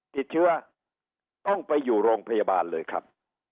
ติดเชื้อต้องไปอยู่โรงพยาบาลเลยครับ